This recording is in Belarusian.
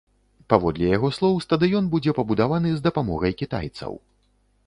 Паводле яго слоў, стадыён будзе пабудаваны з дапамогай кітайцаў.